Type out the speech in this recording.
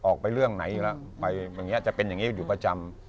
ออกไปเรื่องไหนแล้วจะเป็นอย่างนี้อยู่ประจำ